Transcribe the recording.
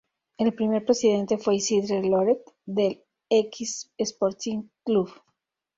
El primer presidente fue Isidre Lloret, del X Sporting Club.